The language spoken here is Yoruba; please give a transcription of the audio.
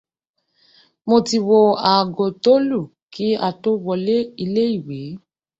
Mo ti wo aago tó lù kí a tó wọlé ilé ìwé